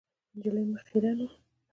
د نجلۍ مخ خیرن و .